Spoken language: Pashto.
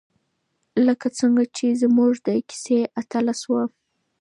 لکه څنګه چې زموږ د کیسې اتله شوه.